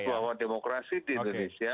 bahwa demokrasi di indonesia